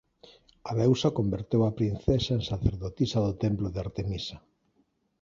A deusa converteu á princesa en sacerdotisa do Templo de Artemisa.